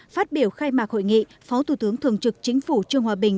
phát biểu khai mạc hội nghị phó thủ tướng thường trực chính phủ trương hòa bình